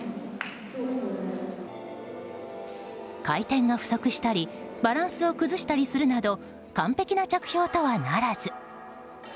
回転が不足したりバランスを崩したりするなど完璧な着氷とはならず。